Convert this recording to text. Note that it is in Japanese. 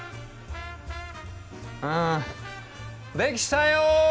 うんできたよ！